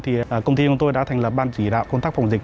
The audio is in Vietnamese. thì công ty của tôi đã thành lập ban chỉ đạo công tác phòng dịch